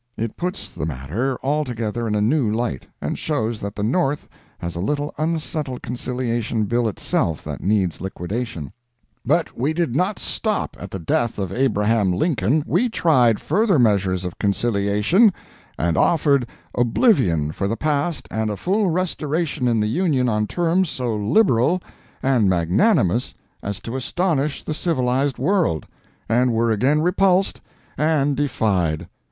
It puts the matter altogether in a new light, and shows that the North has a little unsettled conciliation bill itself that needs liquidation: But we did not stop at the death of Abraham Lincoln—we tried further measures of conciliation, and offered oblivion for the past and a full restoration in the Union on terms so liberal and magnanimous as to astonish the civilized world, and were again repulsed and defied.